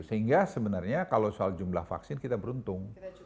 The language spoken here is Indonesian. sehingga sebenarnya kalau soal jumlah vaksin kita beruntung